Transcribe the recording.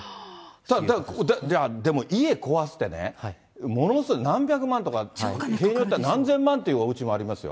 ただ、でも、家壊すってね、ものすごい、何百万とか、場合によっては何千万というおうちもありますよ。